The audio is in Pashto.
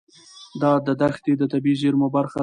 دا دښتې د طبیعي زیرمو برخه ده.